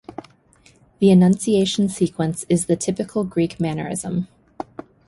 The annunciation sequence is the typical Greek mannerism.